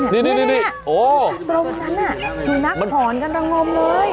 นี่ตรงนั้นน่ะซูนักผ่อนกันระงมเลย